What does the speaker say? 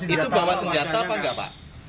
itu bawa senjata apa enggak pak